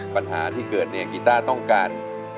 ปัญหาที่เกิดเนี่ยกีต้าต้องการ